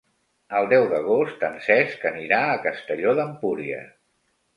El deu d'agost en Cesc anirà a Castelló d'Empúries.